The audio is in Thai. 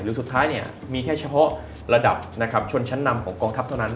หรือสุดท้ายมีแค่เฉพาะระดับชนชั้นนำของกองทัพเท่านั้น